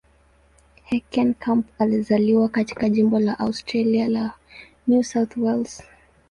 Heckenkamp alizaliwa katika jimbo la Australia la New South Wales.